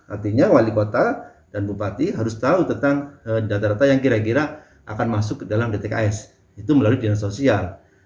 artinya wali kota dan bupati harus tahu tentang data data yang kira kira akan masuk ke dalam dtks itu melalui dinas sosial